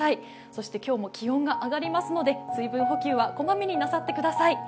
そして今日も気温が上がりますので水分補給は小まめになさってください。